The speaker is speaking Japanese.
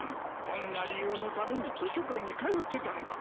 そんな理由のために図書館に通ってたのか。